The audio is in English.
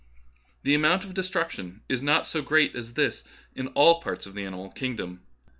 ^ The amount of de struction is not so great as this in all parts of the animal kingdom.